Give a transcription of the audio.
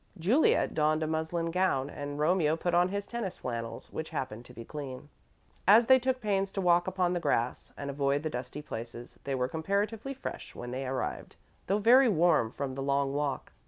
Juliet donned a muslin gown and Romeo put on his tennis flannels, which happened to be clean. As they took pains to walk upon the grass and avoid the dusty places, they were comparatively fresh when they arrived, though very warm from the long walk.